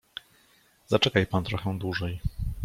"Zaczekaj pan trochę dłużej."